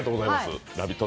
「ラヴィット！」